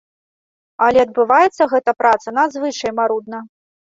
Але адбываецца гэтая праца надзвычай марудна.